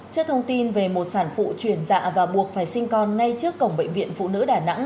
trước thông tin về một sản phụ chuyển dạ và buộc phải sinh con ngay trước cổng bệnh viện phụ nữ đà nẵng